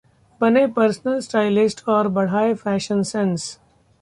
बनें personal stylist और बढ़ाए फैशन सेंस